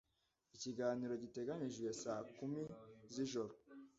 Ikiganiro giteganijwe saa kumi zijoro.